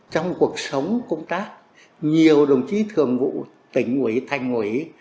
trong cuộc sống công tác nhiều đồng chí thường vụ tỉnh ủy thành ủy